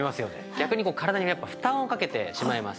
逆に体にやっぱ負担をかけてしまいます。